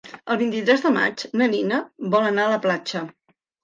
El vint-i-tres de maig na Nina vol anar a la platja.